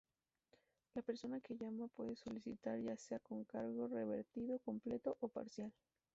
La persona que llama puede solicitar ya sea con cargo revertido completo o parcial.